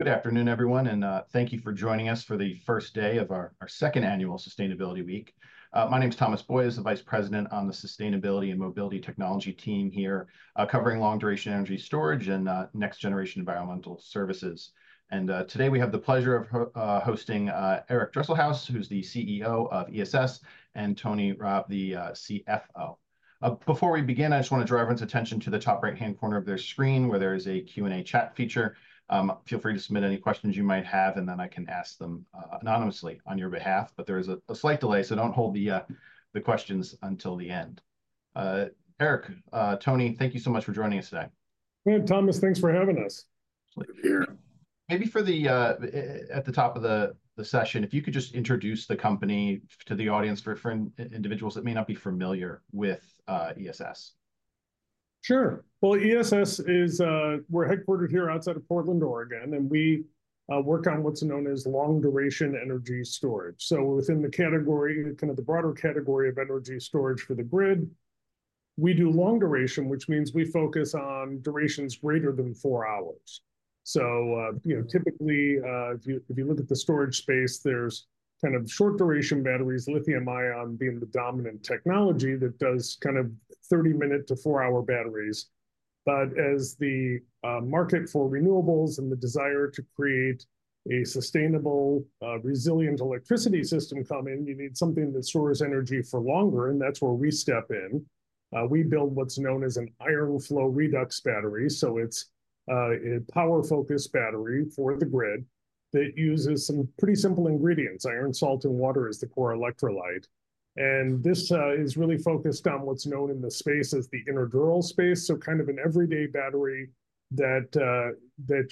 Good afternoon, everyone, and thank you for joining us for the first day of our second annual Sustainability Week. My name's Thomas Boyes, as the Vice President on the Sustainability and Mobility Technology team here, covering long-duration energy storage and next-generation environmental services. Today, we have the pleasure of hosting Eric Dresselhuys, who's the CEO of ESS, and Tony Rabb, the CFO. Before we begin, I just wanna draw everyone's attention to the top right-hand corner of their screen, where there is a Q&A chat feature. Feel free to submit any questions you might have, and then I can ask them anonymously on your behalf. But there is a slight delay, so don't hold the questions until the end. Eric, Tony, thank you so much for joining us today. Hey, Thomas, thanks for having us. Thank you. Maybe at the top of the session, if you could just introduce the company to the audience for individuals that may not be familiar with ESS. Sure. Well, ESS is, we're headquartered here outside of Portland, Oregon, and we work on what's known as long-duration energy storage. So within the category, kind of the broader category of energy storage for the grid, we do long duration, which means we focus on durations greater than four hours. So, you know, typically, if you, if you look at the storage space, there's kind of short-duration batteries, lithium-ion being the dominant technology that does kind of 30-minute to four-hour batteries. But as the market for renewables and the desire to create a sustainable, resilient electricity system come in, you need something that stores energy for longer, and that's where we step in. We build what's known as an Iron Flow redox battery, so it's a power-focused battery for the grid that uses some pretty simple ingredients: iron, salt, and water is the core electrolyte. This is really focused on what's known in the space as the intra-day space, so kind of an everyday battery that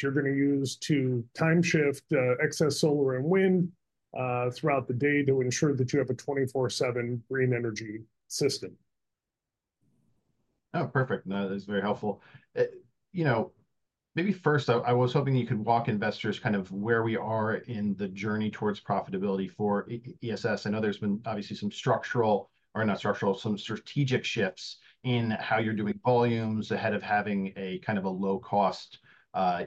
you're gonna use to time shift excess solar and wind throughout the day to ensure that you have a 24/7 green energy system. Oh, perfect. No, that's very helpful. You know, maybe first, I was hoping you could walk investors kind of where we are in the journey towards profitability for ESS. I know there's been obviously some structural or not structural, some strategic shifts in how you're doing volumes ahead of having a kind of a low-cost,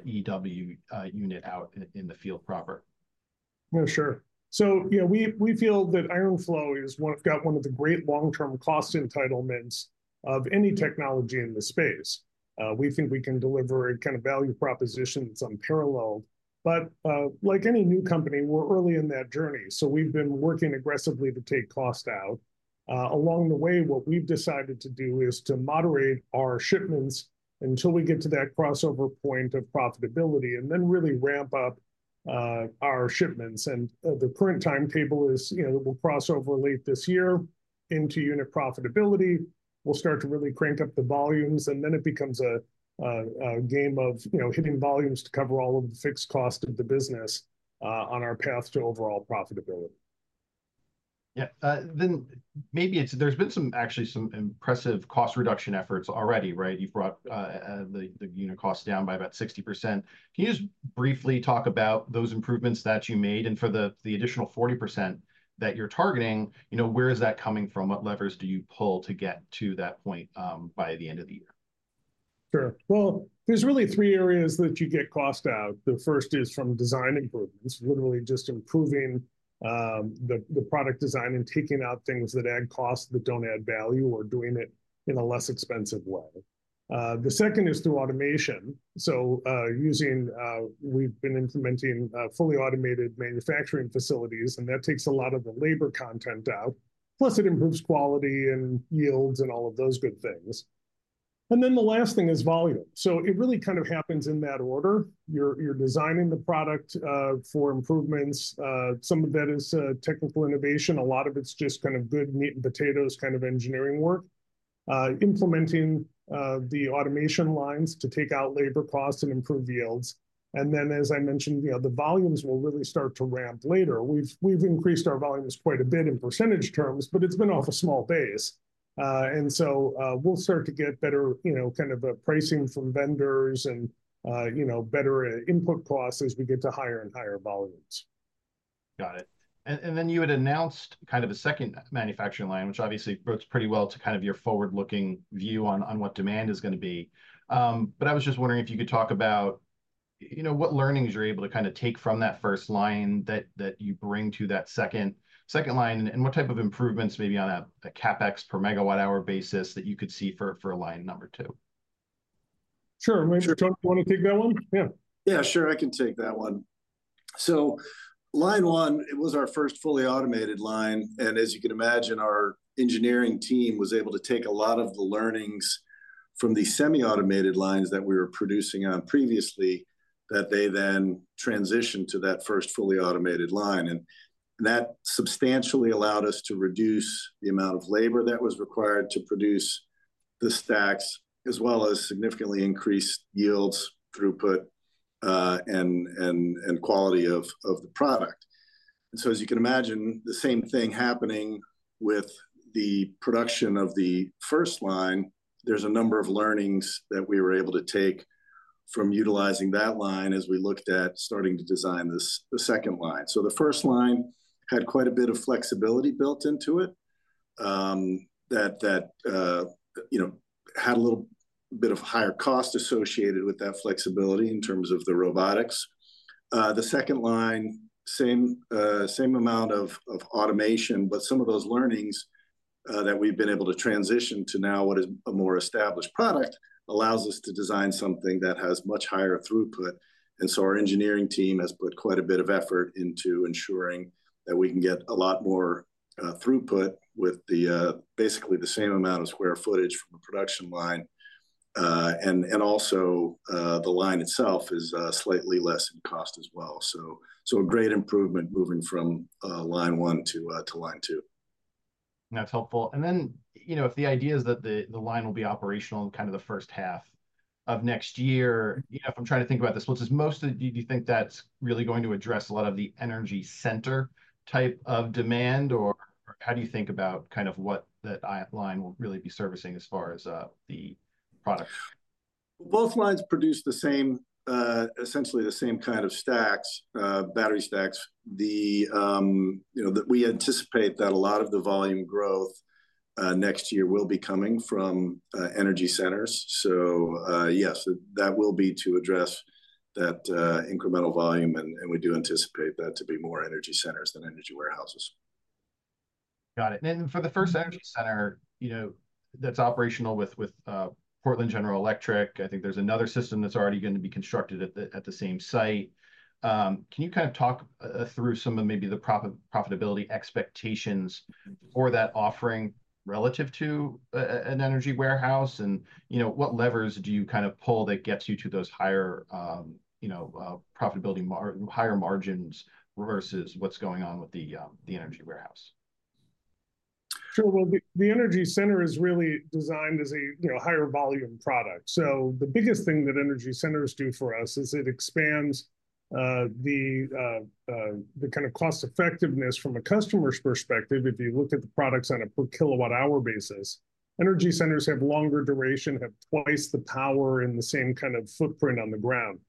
EW, unit out in the field proper. Oh, sure. So, you know, we feel that iron flow is one of the great long-term cost entitlements of any technology in the space. We think we can deliver a kind of value proposition that's unparalleled, but, like any new company, we're early in that journey. So we've been working aggressively to take cost out. Along the way, what we've decided to do is to moderate our shipments until we get to that crossover point of profitability, and then really ramp up our shipments. And, the current timetable is, you know, we'll cross over late this year into unit profitability. We'll start to really crank up the volumes, and then it becomes a game of, you know, hitting volumes to cover all of the fixed cost of the business, on our path to overall profitability. Yeah, then maybe it's, there's been some, actually some impressive cost reduction efforts already, right? You've brought the unit costs down by about 60%. Can you just briefly talk about those improvements that you made? And for the additional 40% that you're targeting, you know, where is that coming from? What levers do you pull to get to that point, by the end of the year? Sure. Well, there's really three areas that you get cost out. The first is from design improvements, literally just improving the product design and taking out things that add cost that don't add value, or doing it in a less expensive way. The second is through automation. So, using, we've been implementing fully automated manufacturing facilities, and that takes a lot of the labor content out, plus it improves quality and yields and all of those good things. And then the last thing is volume. So it really kind of happens in that order. You're designing the product for improvements. Some of that is technical innovation. A lot of it's just kind of good meat and potatoes kind of engineering work. Implementing the automation lines to take out labor costs and improve yields, and then, as I mentioned, you know, the volumes will really start to ramp later. We've increased our volumes quite a bit in percentage terms, but it's been off a small base. And so, we'll start to get better, you know, kind of, pricing from vendors and, you know, better input costs as we get to higher and higher volumes. Got it. And then you had announced kind of a second manufacturing line, which obviously bodes pretty well to kind of your forward-looking view on what demand is gonna be. But I was just wondering if you could talk about, you know, what learnings you're able to kind of take from that first line that you bring to that second line, and what type of improvements maybe on a CapEx per megawatt hour basis that you could see for line number 2? Sure. Tony, you want to take that one? Yeah. Yeah, sure, I can take that one. So line one, it was our first fully automated line, and as you can imagine, our engineering team was able to take a lot of the learnings from the semi-automated lines that we were producing on previously, that they then transitioned to that first fully automated line. And that substantially allowed us to reduce the amount of labor that was required to produce the stacks, as well as significantly increased yields, throughput, and quality of the product. And so, as you can imagine, the same thing happening with the production of the first line, there's a number of learnings that we were able to take from utilizing that line as we looked at starting to design this, the second line. So the first line had quite a bit of flexibility built into it- That you know had a little bit of higher cost associated with that flexibility in terms of the robotics. The second line, same amount of automation, but some of those learnings that we've been able to transition to now what is a more established product, allows us to design something that has much higher throughput. And so our engineering team has put quite a bit of effort into ensuring that we can get a lot more throughput with the basically the same amount of square footage from a production line. And also the line itself is slightly less in cost as well. So a great improvement moving from line one to line two. That's helpful. And then, you know, if the idea is that the line will be operational in kind of the first half of next year, you know, if I'm trying to think about this, which is, do you think that's really going to address a lot of the Energy Center type of demand, or how do you think about kind of what that line will really be servicing as far as the product? Both lines produce the same, essentially the same kind of stacks, battery stacks. The, you know, that we anticipate that a lot of the volume growth, next year will be coming from, Energy Centers. So, yes, that will be to address that, incremental volume, and, and we do anticipate that to be more Energy Centers than Energy Warehouses. Got it. And then for the first Energy Center, you know, that's operational with Portland General Electric. I think there's another system that's already going to be constructed at the same site. Can you kind of talk through some of maybe the profitability expectations for that offering relative to an Energy Warehouse? And, you know, what levers do you kind of pull that gets you to those higher, you know, profitability higher margins, versus what's going on with the Energy Warehouse? Sure. Well, the Energy Center is really designed as a, you know, higher volume product. So the biggest thing that Energy Centers do for us is it expands the kind of cost effectiveness from a customer's perspective, if you look at the products on a per kilowatt-hour basis. Energy Centers have longer duration, have twice the power in the same kind of footprint on the ground.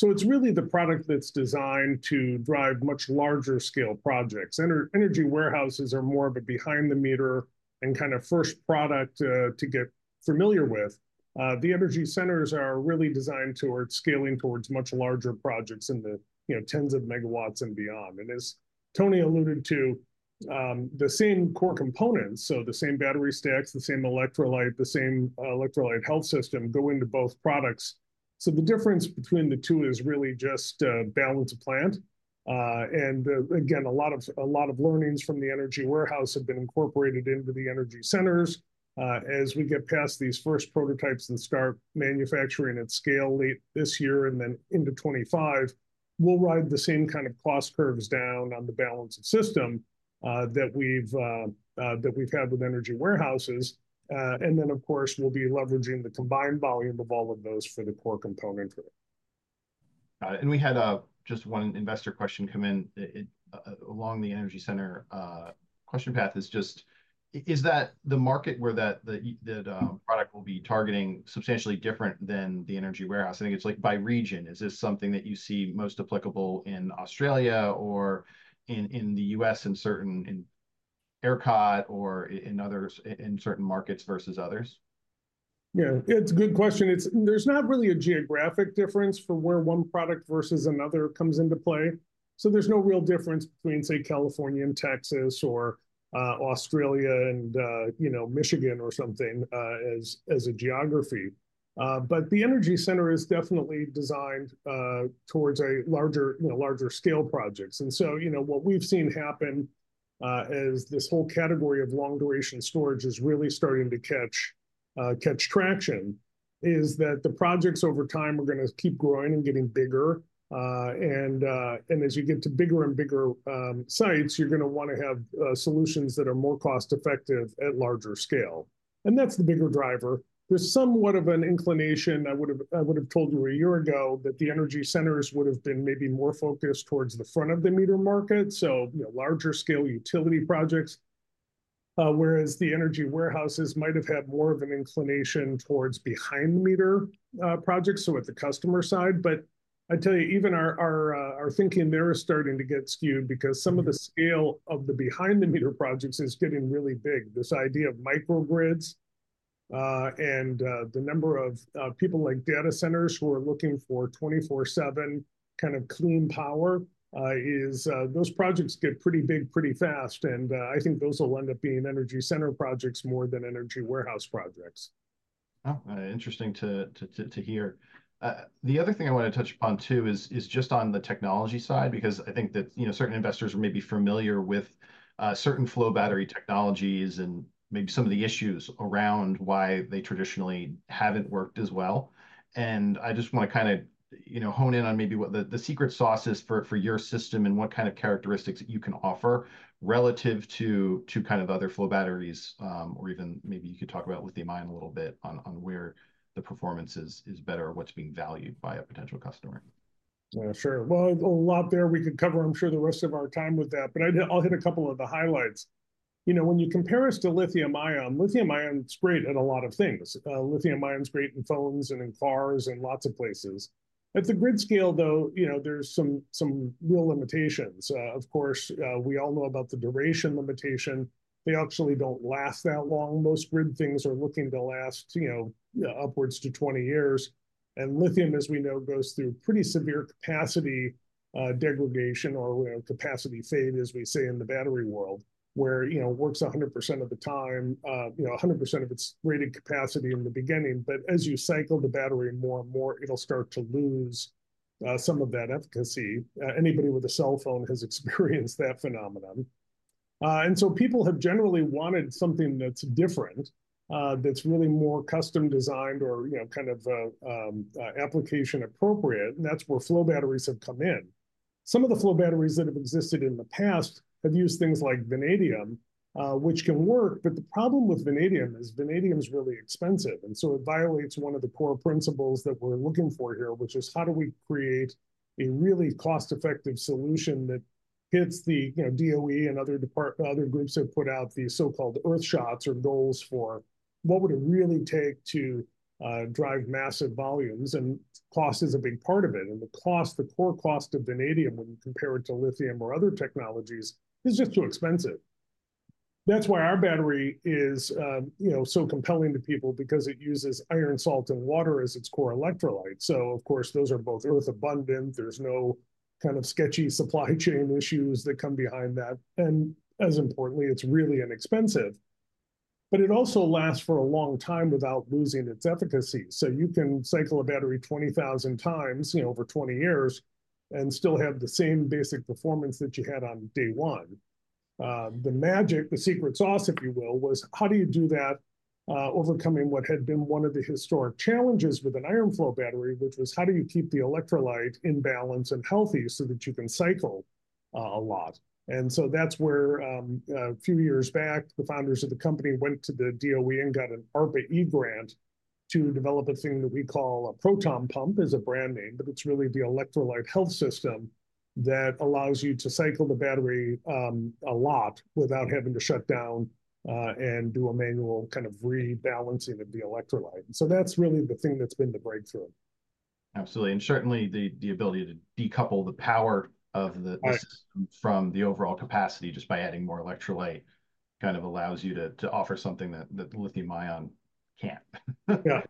So it's really the product that's designed to drive much larger scale projects. Energy Warehouses are more of a behind-the-meter and kind of first product to get familiar with. The Energy Centers are really designed towards scaling towards much larger projects in the, you know, tens of megawatts and beyond. As Tony alluded to, the same core components, so the same battery stacks, the same electrolyte, the same electrolyte health system, go into both products. So the difference between the two is really just balance of plant. And again, a lot of learnings from the Energy Warehouse have been incorporated into the Energy Centers. As we get past these first prototypes and start manufacturing at scale late this year and then into 2025, we'll ride the same kind of cost curves down on the balanced system that we've had with Energy Warehouses. And then, of course, we'll be leveraging the combined volume of all of those for the core componentry. And we had just one investor question come in, it along the Energy Center question path. Is that the market where that the product will be targeting substantially different than the Energy Warehouse? I think it's, like, by region. Is this something that you see most applicable in Australia or in, in the U.S., in certain in ERCOT or in others, in certain markets versus others? Yeah, it's a good question. It's, there's not really a geographic difference for where one product versus another comes into play, so there's no real difference between, say, California and Texas or, Australia and, you know, Michigan or something, as a geography. But the Energy Center is definitely designed towards a larger, you know, larger scale projects. And so, you know, what we've seen happen, as this whole category of long-duration storage is really starting to catch traction, is that the projects over time are gonna keep growing and getting bigger. And as you get to bigger and bigger sites, you're gonna wanna have solutions that are more cost-effective at larger scale. And that's the bigger driver. There's somewhat of an inclination I would've told you a year ago that the Energy Centers would've been maybe more focused towards the front of the meter market, so, you know, larger scale utility projects. Whereas the Energy Warehouses might have had more of an inclination towards behind-the-meter projects, so at the customer side. But I tell you, even our thinking there is starting to get skewed, because some of the scale of the behind-the-meter projects is getting really big. This idea of microgrids and the number of people like data centers who are looking for 24/7 kind of clean power is those projects get pretty big pretty fast, and I think those will end up being Energy Center projects more than Energy Warehouse projects. Oh, interesting to hear. The other thing I want to touch upon, too, is just on the technology side, because I think that, you know, certain investors are maybe familiar with certain flow battery technologies and maybe some of the issues around why they traditionally haven't worked as well. And I just wanna kind of, you know, hone in on maybe what the secret sauce is for your system and what kind of characteristics you can offer relative to kind of other flow batteries, or even maybe you could talk about lithium-ion a little bit, on where the performance is better, or what's being valued by a potential customer. Yeah, sure. Well, a lot there we could cover, I'm sure, the rest of our time with that, but I'll hit a couple of the highlights. You know, when you compare us to lithium-ion, lithium-ion's great at a lot of things. Lithium-ion's great in phones and in cars and lots of places. At the grid scale, though, you know, there's some real limitations. Of course, we all know about the duration limitation. They actually don't last that long. Most grid things are looking to last, you know, upwards to 20 years, and lithium, as we know, goes through pretty severe capacity degradation or, well, capacity fade, as we say in the battery world, where, you know, it works 100% of the time, you know, 100% of its rated capacity in the beginning, but as you cycle the battery more and more, it'll start to lose some of that efficacy. Anybody with a cell phone has experienced that phenomenon. And so people have generally wanted something that's different, that's really more custom-designed or, you know, kind of, application appropriate, and that's where flow batteries have come in. Some of the flow batteries that have existed in the past have used things like vanadium, which can work, but the problem with vanadium is vanadium is really expensive, and so it violates one of the core principles that we're looking for here, which is, how do we create a really cost-effective solution that hits the, you know, DOE and other groups have put out these so-called Earthshots or goals for what would it really take to drive massive volumes? And cost is a big part of it. And the cost, the core cost of vanadium, when you compare it to lithium or other technologies, is just too expensive. That's why our battery is, you know, so compelling to people because it uses iron, salt, and water as its core electrolyte. So of course, those are both earth abundant. There's no kind of sketchy supply chain issues that come behind that, and as importantly, it's really inexpensive. But it also lasts for a long time without losing its efficacy. So you can cycle a battery 20,000 times, you know, over 20 years and still have the same basic performance that you had on day one. The magic, the secret sauce, if you will, was: how do you do that, overcoming what had been one of the historic challenges with an Iron Flow Battery, which was, how do you keep the electrolyte in balance and healthy so that you can cycle a lot? And so that's where, a few years back, the founders of the company went to the DOE and got an ARPA-E grant to develop a thing that we call a Proton Pump, is a brand name, but it's really the electrolyte health system that allows you to cycle the battery, a lot without having to shut down, and do a manual kind of rebalancing of the electrolyte. So that's really the thing that's been the breakthrough. Absolutely. And certainly, the ability to decouple the power of the- Right System from the overall capacity just by adding more electrolyte, kind of allows you to, to offer something that, that the lithium-ion can't. Yeah.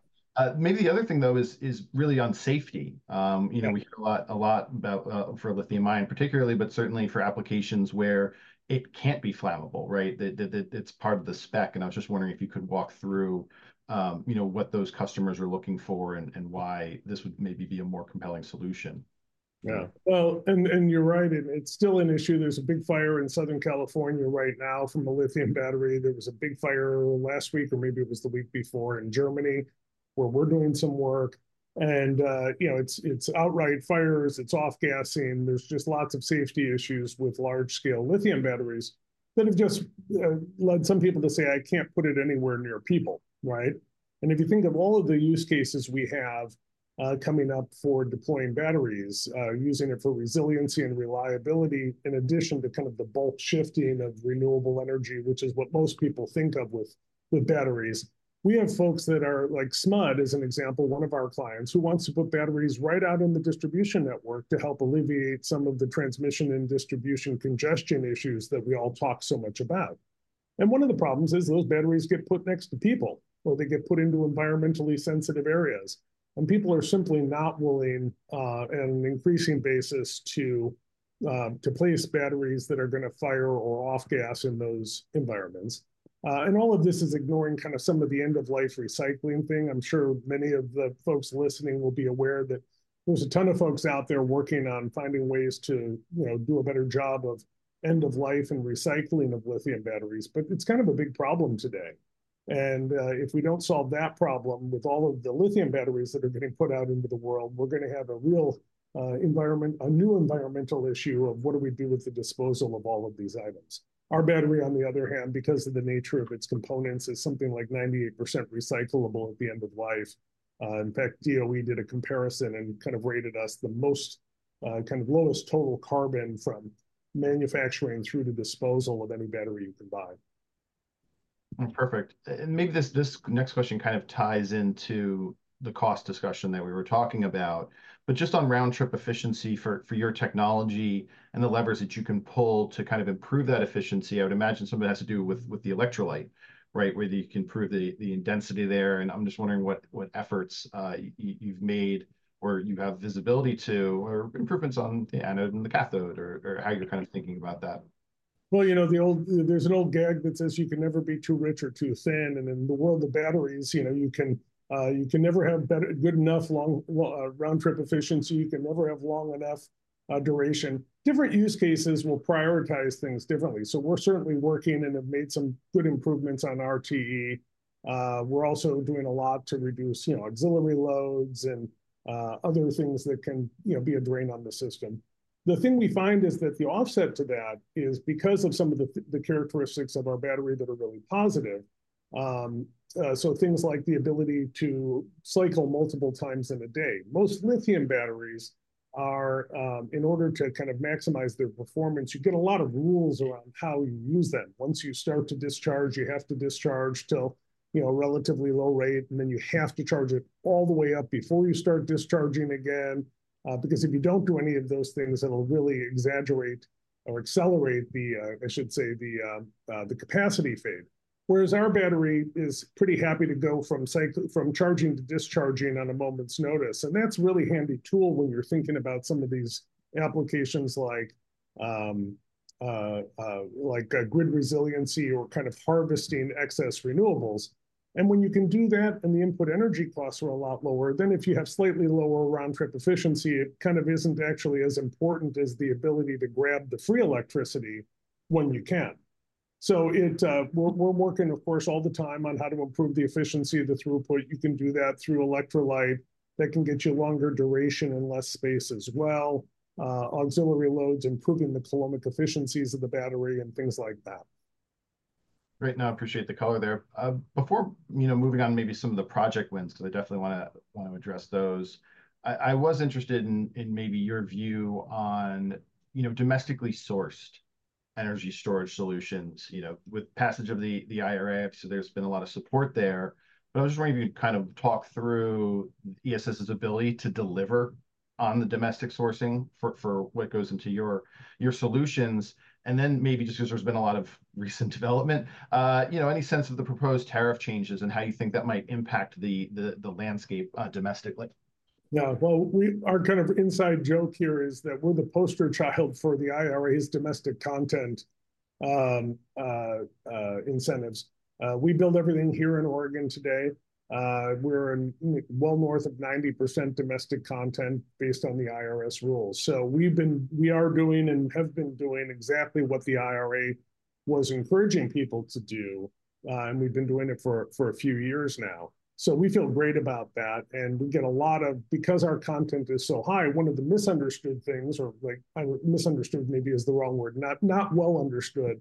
Maybe the other thing, though, is really on safety. You know- Yeah We hear a lot, a lot about for lithium-ion particularly, but certainly for applications where it can't be flammable, right? That it's part of the spec, and I was just wondering if you could walk through, you know, what those customers are looking for and why this would maybe be a more compelling solution. Yeah. Well, and, and you're right. It, it's still an issue. There's a big fire in Southern California right now from a lithium battery. There was a big fire last week, or maybe it was the week before, in Germany, where we're doing some work, and, you know, it's, it's outright fires, it's off-gassing. There's just lots of safety issues with large-scale lithium batteries that have just, led some people to say, "I can't put it anywhere near people," right? And if you think of all of the use cases we have, coming up for deploying batteries, using it for resiliency and reliability, in addition to kind of the bulk shifting of renewable energy, which is what most people think of with, with batteries, we have folks that are, like SMUD, as an example, one of our clients, who wants to put batteries right out in the distribution network to help alleviate some of the transmission and distribution congestion issues that we all talk so much about. One of the problems is those batteries get put next to people, or they get put into environmentally sensitive areas, and people are simply not willing, on an increasing basis, to, to place batteries that are gonna fire or off gas in those environments. And all of this is ignoring kind of some of the end-of-life recycling thing. I'm sure many of the folks listening will be aware that there's a ton of folks out there working on finding ways to, you know, do a better job of end of life and recycling of lithium batteries, but it's kind of a big problem today. And, if we don't solve that problem with all of the lithium batteries that are getting put out into the world, we're gonna have a real, environment- a new environmental issue of what do we do with the disposal of all of these items? Our battery, on the other hand, because of the nature of its components, is something like 98% recyclable at the end of life. In fact, DOE did a comparison and kind of rated us the most kind of lowest total carbon from manufacturing through to disposal of any battery you can buy. Perfect. And maybe this, this next question kind of ties into the cost discussion that we were talking about, but just on round-trip efficiency for, for your technology and the levers that you can pull to kind of improve that efficiency, I would imagine some of it has to do with, with the electrolyte, right? Whether you can improve the, the density there, and I'm just wondering what, what efforts, you, you've made or you have visibility to, or improvements on the anode and the cathode, or, or how you're kind of thinking about that. Well, you know, the old, there's an old gag that says, "You can never be too rich or too thin," and in the world of batteries, you know, you can never have good enough long round-trip efficiency, you can never have long enough duration. Different use cases will prioritize things differently. So we're certainly working and have made some good improvements on our TE. We're also doing a lot to reduce, you know, auxiliary loads and other things that can, you know, be a drain on the system. The thing we find is that the offset to that is because of some of the, the characteristics of our battery that are really positive- so things like the ability to cycle multiple times in a day. Most lithium batteries are, in order to kind of maximize their performance, you get a lot of rules around how you use them. Once you start to discharge, you have to discharge till, you know, a relatively low rate, and then you have to charge it all the way up before you start discharging again. Because if you don't do any of those things, it'll really exaggerate or accelerate the, I should say, the capacity fade. Whereas our battery is pretty happy to go from charging to discharging on a moment's notice, and that's a really handy tool when you're thinking about some of these applications like grid resiliency or kind of harvesting excess renewables. When you can do that and the input energy costs are a lot lower, then if you have slightly lower round-trip efficiency, it kind of isn't actually as important as the ability to grab the free electricity when you can. So, we're working, of course, all the time on how to improve the efficiency of the throughput. You can do that through electrolyte. That can get you longer duration and less space as well, auxiliary loads, improving the Coulombic efficiencies of the battery, and things like that. Great. No, I appreciate the color there. Before, you know, moving on to maybe some of the project wins, because I definitely wanna address those, I was interested in maybe your view on, you know, domestically sourced energy storage solutions. You know, with passage of the IRA, obviously there's been a lot of support there, but I was just wondering if you'd kind of talk through ESS's ability to deliver on the domestic sourcing for what goes into your solutions. And then maybe just because there's been a lot of recent development, you know, any sense of the proposed tariff changes and how you think that might impact the landscape, domestically? Yeah. Well, our kind of inside joke here is that we're the poster child for the IRA's domestic content incentives. We build everything here in Oregon today. We're in, you know, well north of 90% domestic content based on the IRS rules. So we've been we are doing and have been doing exactly what the IRA was encouraging people to do, and we've been doing it for a few years now. So we feel great about that, and we get a lot of. Because our content is so high, one of the misunderstood things, or like, misunderstood maybe is the wrong word, not well understood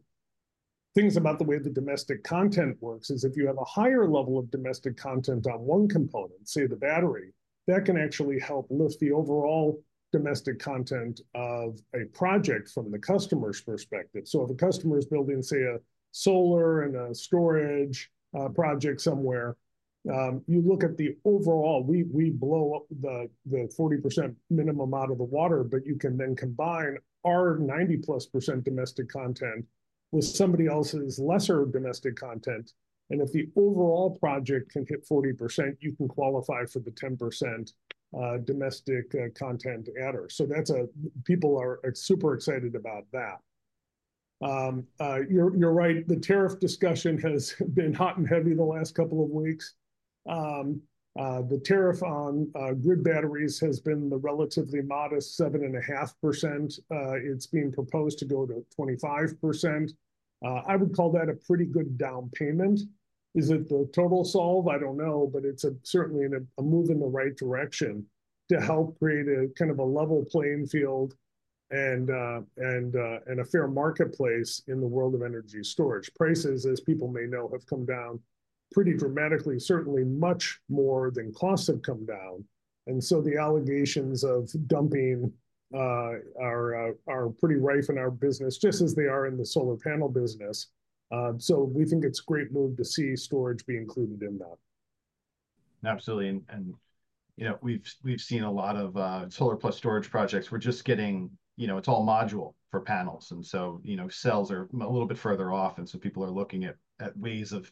things about the way the domestic content works, is if you have a higher level of domestic content on one component, say, the battery, that can actually help lift the overall domestic content of a project from the customer's perspective. So if a customer is building, say, a solar and a storage project somewhere, you look at the overall, we blow up the 40% minimum out of the water, but you can then combine our 90%+ domestic content with somebody else's lesser domestic content, and if the overall project can hit 40%, you can qualify for the 10% domestic content adder. So that's a, people are super excited about that. You're right, the tariff discussion has been hot and heavy the last couple of weeks. The tariff on grid batteries has been the relatively modest 7.5%. It's being proposed to go to 25%. I would call that a pretty good down payment. Is it the total solve? I don't know, but it's certainly a move in the right direction to help create a kind of a level playing field and a fair marketplace in the world of energy storage. Prices, as people may know, have come down pretty dramatically, certainly much more than costs have come down. And so the allegations of dumping are pretty rife in our business, just as they are in the solar panel business. So we think it's a great move to see storage be included in that. Absolutely. And you know, we've seen a lot of solar-plus-storage projects. We're just getting you know, it's all module for panels, and so you know, cells are a little bit further off, and so people are looking at ways of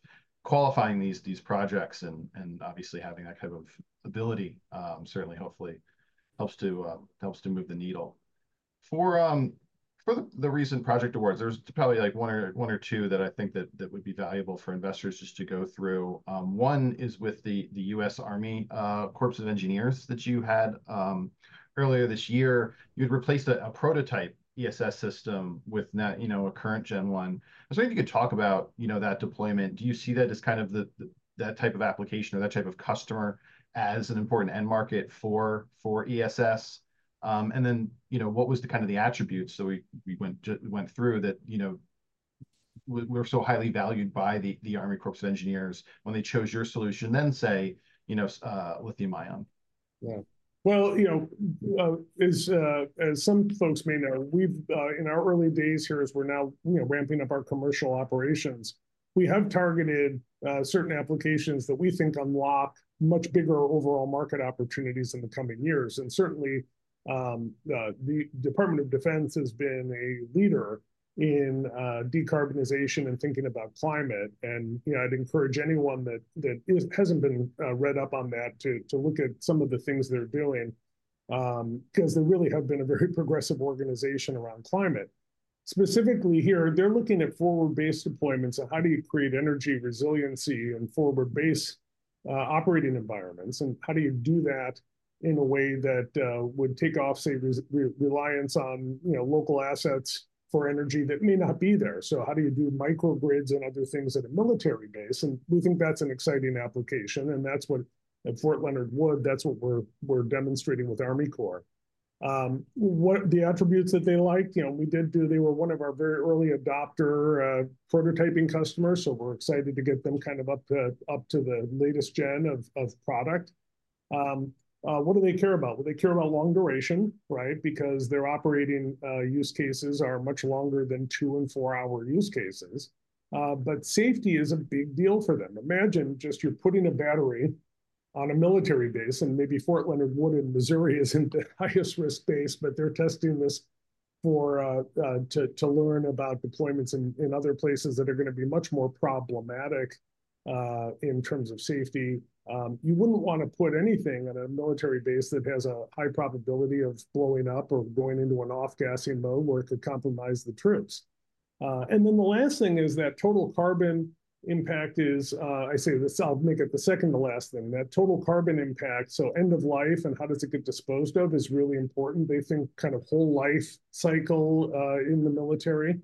qualifying these projects, and obviously, having that kind of ability certainly hopefully helps to move the needle. For the recent project awards, there's probably like one or two that I think would be valuable for investors just to go through. One is with the U.S. Army Corps of Engineers that you had earlier this year. You'd replaced a prototype ESS system with now you know, a current gen one. I was wondering if you could talk about you know, that deployment. Do you see that as kind of the that type of application or that type of customer as an important end market for ESS? And then, you know, what was the kind of the attributes that we went through that, you know, were so highly valued by the Army Corps of Engineers when they chose your solution, than, say, you know, lithium-ion? Yeah. Well, you know, as some folks may know, we've in our early days here as we're now, you know, ramping up our commercial operations, we have targeted certain applications that we think unlock much bigger overall market opportunities in the coming years. And certainly, the Department of Defense has been a leader in decarbonization and thinking about climate. And, you know, I'd encourage anyone that isn't, hasn't been read up on that to look at some of the things they're doing, 'cause they really have been a very progressive organization around climate. Specifically here, they're looking at forward-based deployments and how do you create energy resiliency in forward-based operating environments, and how do you do that in a way that would take off, say, reliance on, you know, local assets for energy that may not be there. So how do you do microgrids and other things at a military base? And we think that's an exciting application, and that's what, at Fort Leonard Wood, that's what we're demonstrating with Army Corps of Engineers what the attributes that they like, you know, we did do, they were one of our very early adopter prototyping customers, so we're excited to get them kind of up to the latest gen of product. What do they care about? Well, they care about long duration, right? Because their operating use cases are much longer than 2- and 4-hour use cases. But safety is a big deal for them. Imagine just you're putting a battery on a military base, and maybe Fort Leonard Wood in Missouri isn't the highest risk base, but they're testing this for to learn about deployments in other places that are gonna be much more problematic in terms of safety. You wouldn't wanna put anything on a military base that has a high probability of blowing up or going into an off-gassing mode where it could compromise the troops. And then the last thing is that total carbon impact is, I say this, I'll make it the second to last thing, that total carbon impact, so end of life and how does it get disposed of, is really important. They think kind of whole life cycle in the military.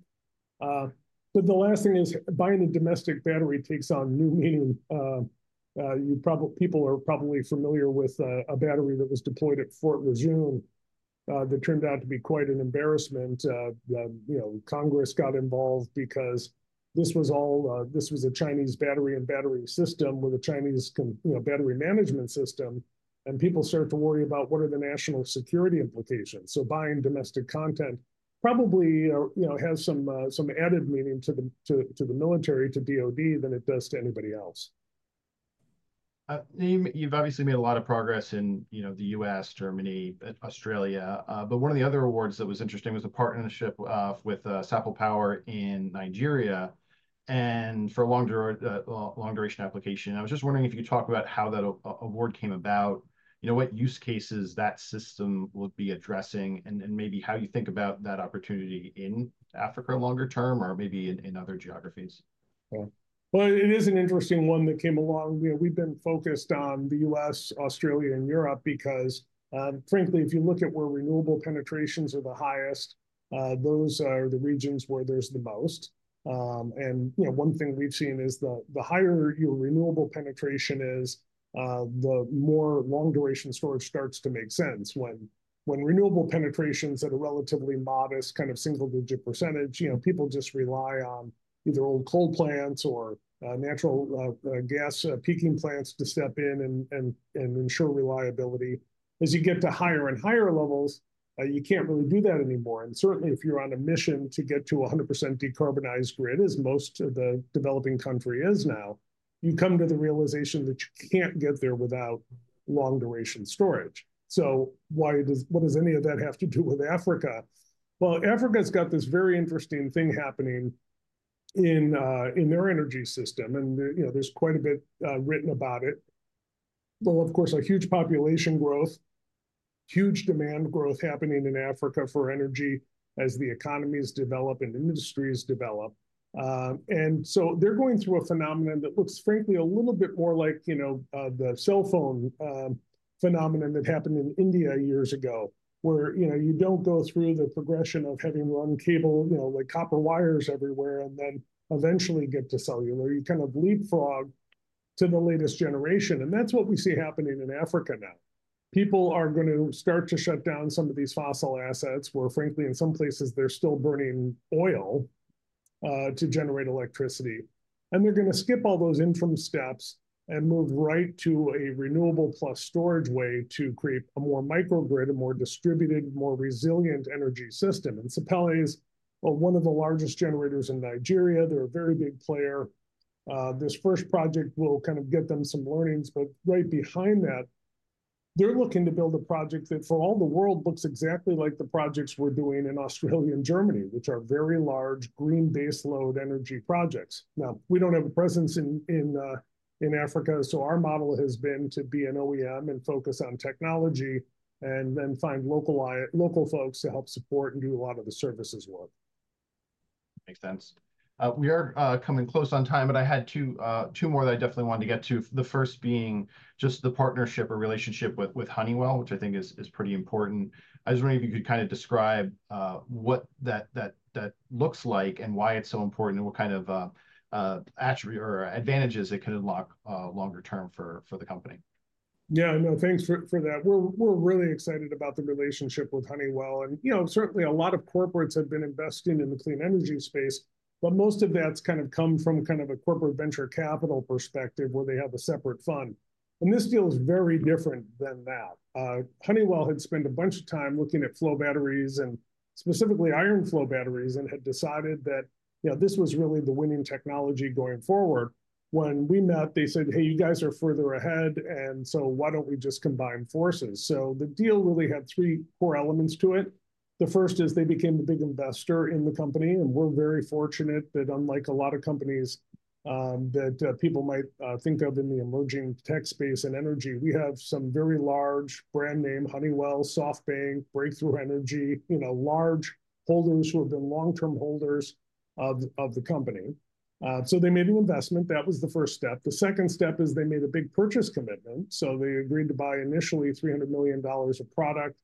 But the last thing is, buying a domestic battery takes on new meaning. People are probably familiar with a battery that was deployed at Camp Lejeune, that turned out to be quite an embarrassment. You know, Congress got involved because this was all, this was a Chinese battery and battery system with a Chinese company, you know, battery management system, and people started to worry about what are the national security implications. So buying domestic content probably, you know, has some added meaning to the military, to DoD, than it does to anybody else. You've obviously made a lot of progress in, you know, the U.S., Germany, and Australia. But one of the other awards that was interesting was a partnership with Sapele Power in Nigeria, and for a longer long-duration application. I was just wondering if you could talk about how that award came about, you know, what use cases that system would be addressing, and maybe how you think about that opportunity in Africa longer term, or maybe in other geographies? Well, well, it is an interesting one that came along. You know, we've been focused on the U.S., Australia, and Europe because, frankly, if you look at where renewable penetrations are the highest, those are the regions where there's the most. And, you know, one thing we've seen is the higher your renewable penetration is, the more long-duration storage starts to make sense. When renewable penetrations are relatively modest, kind of single-digit %, you know, people just rely on either old coal plants or natural gas peaking plants to step in and ensure reliability. As you get to higher and higher levels, you can't really do that anymore. Certainly, if you're on a mission to get to 100% decarbonized grid, as most of the developing country is now, you come to the realization that you can't get there without long-duration storage. So why does? what does any of that have to do with Africa? Well, Africa's got this very interesting thing happening in their energy system, and, you know, there's quite a bit written about it. Well, of course, a huge population growth, huge demand growth happening in Africa for energy as the economies develop and industries develop. And so they're going through a phenomenon that looks frankly a little bit more like, you know, the cell phone phenomenon that happened in India years ago, where, you know, you don't go through the progression of having run cable, you know, like copper wires everywhere and then eventually get to cellular. You kind of leapfrog to the latest generation, and that's what we see happening in Africa now. People are gonna start to shut down some of these fossil assets, where frankly, in some places, they're still burning oil to generate electricity. And they're gonna skip all those interim steps and move right to a renewable plus storage way to create a more microgrid, a more distributed, more resilient energy system. And Sapele is, well, one of the largest generators in Nigeria. They're a very big player. This first project will kind of get them some learnings, but right behind that, they're looking to build a project that, for all the world, looks exactly like the projects we're doing in Australia and Germany, which are very large, green baseload energy projects. Now, we don't have a presence in Africa, so our model has been to be an OEM and focus on technology, and then find local folks to help support and do a lot of the services work. Makes sense. We are coming close on time, but I had two more that I definitely wanted to get to. The first being just the partnership or relationship with Honeywell, which I think is pretty important. I was wondering if you could kind of describe what that looks like and why it's so important, and what kind of attribute or advantages it could unlock longer term for the company. Yeah, no, thanks for that. We're really excited about the relationship with Honeywell. And, you know, certainly a lot of corporates have been investing in the clean energy space, but most of that's kind of come from kind of a corporate venture capital perspective, where they have a separate fund. And this deal is very different than that. Honeywell had spent a bunch of time looking at flow batteries, and specifically iron flow batteries, and had decided that, you know, this was really the winning technology going forward. When we met, they said: "Hey, you guys are further ahead, and so why don't we just combine forces?" So the deal really had three core elements to it. The first is they became a big investor in the company, and we're very fortunate that, unlike a lot of companies, that people might think of in the emerging tech space and energy, we have some very large brand name, Honeywell, SoftBank, Breakthrough Energy, you know, large holders who have been long-term holders of the company. So they made an investment. That was the first step. The second step is they made a big purchase commitment, so they agreed to buy initially $300 million of product.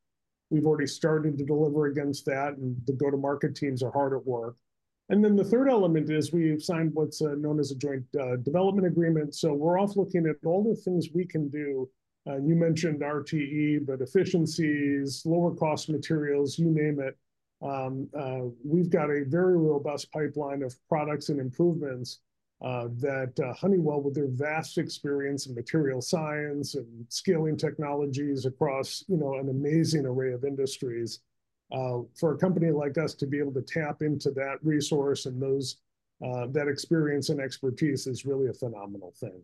We've already started to deliver against that, and the go-to-market teams are hard at work. And then the third element is we've signed what's known as a joint development agreement. So we're off looking at all the things we can do. You mentioned RTE, but efficiencies, lower cost materials, you name it. We've got a very robust pipeline of products and improvements that Honeywell, with their vast experience in material science and scaling technologies across, you know, an amazing array of industries, for a company like us to be able to tap into that resource and those that experience and expertise is really a phenomenal thing.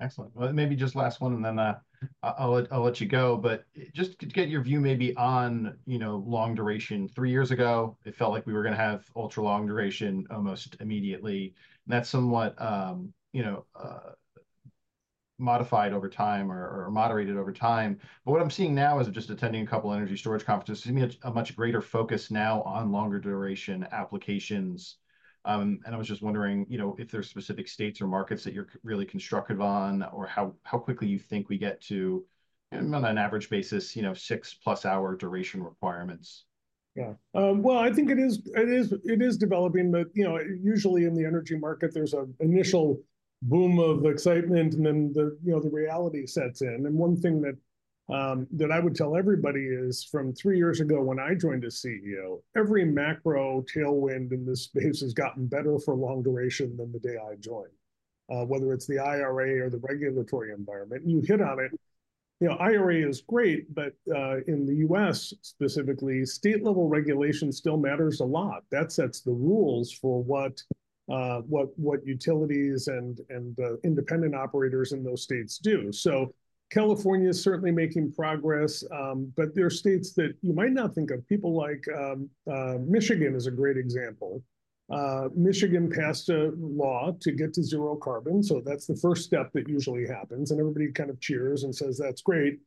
Excellent. Well, maybe just last one, and then, I'll let you go. But just to get your view maybe on, you know, long duration. Three years ago, it felt like we were gonna have ultra long duration almost immediately, and that's somewhat, you know, modified over time or moderated over time. But what I'm seeing now is just attending a couple of energy storage conferences, seeing a much greater focus now on longer duration applications. And I was just wondering, you know, if there are specific states or markets that you're really constructive on, or how quickly you think we get to, on an average basis, you know, 6+ hour duration requirements? Yeah. Well, I think it is developing, but, you know, usually in the energy market, there's an initial boom of excitement, and then the, you know, the reality sets in. And one thing that I would tell everybody is from three years ago when I joined as CEO, every macro tailwind in this space has gotten better for long duration than the day I joined. Whether it's the IRA or the regulatory environment, and you hit on it. You know, IRA is great, but in the U.S. specifically, state-level regulation still matters a lot. That sets the rules for what utilities and independent operators in those states do. So California is certainly making progress, but there are states that you might not think of. People like Michigan is a great example. Michigan passed a law to get to zero carbon, so that's the first step that usually happens, and everybody kind of cheers and says: "That's great."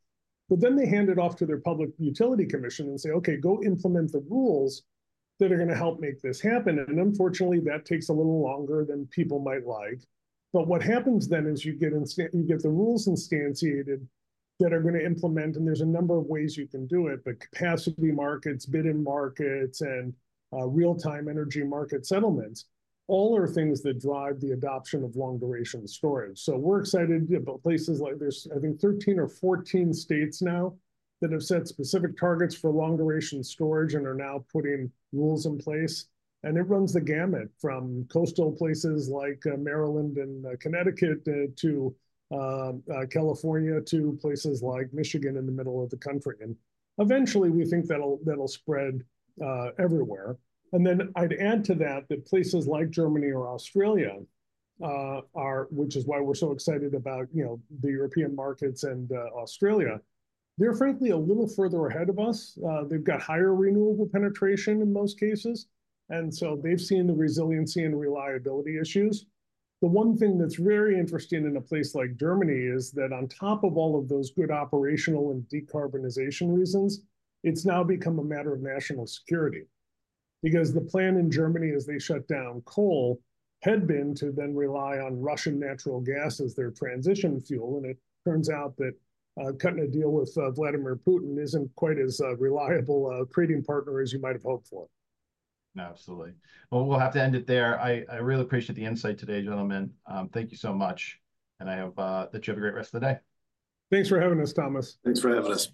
But then they hand it off to their public utility commission and say, "Okay, go implement the rules that are gonna help make this happen." Unfortunately, that takes a little longer than people might like. But what happens then is you get the rules instantiated that are gonna implement, and there's a number of ways you can do it, but capacity markets, bidding markets, and real-time energy market settlements all are things that drive the adoption of long-duration storage. So we're excited about places like. There's, I think, 13 or 14 states now that have set specific targets for long-duration storage and are now putting rules in place, and it runs the gamut from coastal places like Maryland and Connecticut to California, to places like Michigan in the middle of the country. And eventually, we think that'll, that'll spread everywhere. And then I'd add to that, that places like Germany or Australia are, which is why we're so excited about, you know, the European markets and Australia, they're frankly a little further ahead of us. They've got higher renewable penetration in most cases, and so they've seen the resiliency and reliability issues. The one thing that's very interesting in a place like Germany is that on top of all of those good operational and decarbonization reasons, it's now become a matter of national security. Because the plan in Germany, as they shut down coal, had been to then rely on Russian natural gas as their transition fuel, and it turns out that cutting a deal with Vladimir Putin isn't quite as reliable a trading partner as you might have hoped for. Absolutely. Well, we'll have to end it there. I really appreciate the insight today, gentlemen. Thank you so much, and I hope that you have a great rest of the day. Thanks for having us, Thomas. Thanks for having us.